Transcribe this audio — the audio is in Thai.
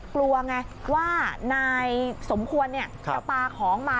กลัวไงว่านายสมควรจะปลาของมา